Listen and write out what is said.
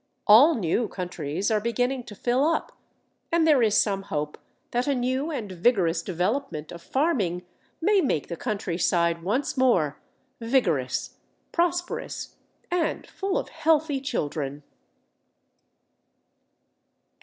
All new countries are beginning to fill up, and there is some hope that a new and vigorous development of farming may make the countryside once more vigorous, prosperous, and full of healthy children.